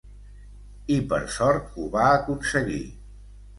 I, per sort, ho va aconseguir.